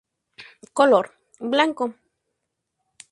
Color: blanco.